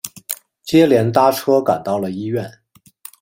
接连搭车赶到了医院